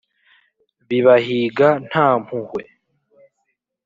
bibahiga nta mpuhwe